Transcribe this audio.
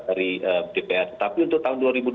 dari dpr tetapi untuk tahun dua ribu dua puluh